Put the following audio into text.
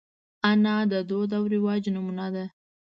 انا د دود او رواج نمونه ده